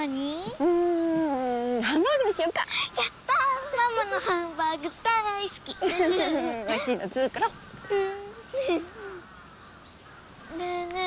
うーんハンバーグにしようかやったーママのハンバーグ大好きおいしいの作ろうんねえねえ